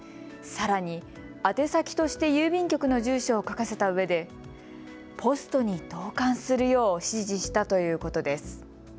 さらに宛先として郵便局の住所を書かせたうえでポストに投かんするよう指示したということです。